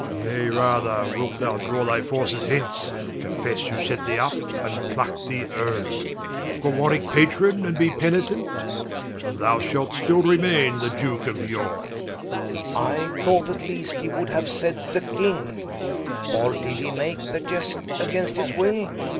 War. Nay rather, wilt thou draw thy forces hence, Confesse who set thee vp, and pluckt thee downe, Call Warwicke Patron, and be penitent, And thou shalt still remaine the Duke of Yorke Rich. I thought at least he would haue said the King, Or did he make the Ieast against his will?